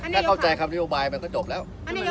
ถ้าเข้าใจคำนโยบายมันก็จบแล้ว